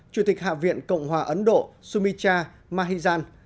chủ tịch hạ viện cộng hòa ấn độ sumitra mahijan